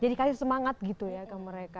jadi kasih semangat gitu ya ke mereka